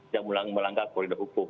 dan melanggar koridor hukum